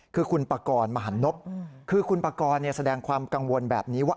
คือคุณปากรมหันนบคือคุณปากรแสดงความกังวลแบบนี้ว่า